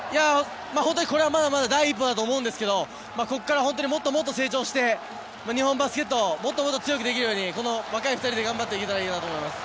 本当にこれはまだまだ第一歩だと思うんですけどここからもっともっと成長して日本バスケットもっともっと強くできるようにこの若い２人で頑張っていけたらいいなと思います。